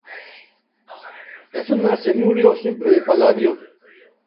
Es un arseniuro simple de paladio.